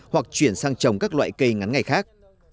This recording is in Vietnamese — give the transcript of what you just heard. hoặc chuyển sang trồng các loại cây ngắn ngày khác